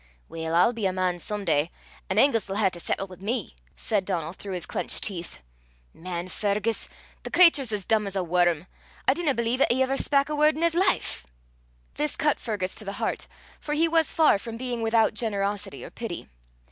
"Weel, I'll be a man some day, an' Angus 'll hae to sattle wi' me!" said Donal through his clenched teeth. "Man, Fergus! the cratur's as dumb 's a worum. I dinna believe 'at ever he spak a word in 's life." This cut Fergus to the heart, for he was far from being without generosity or pity.